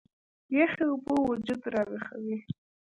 يخې اوبۀ وجود راوېخوي